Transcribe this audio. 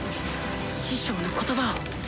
師匠の言葉を！